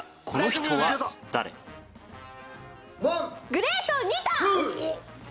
グレート・ニタ！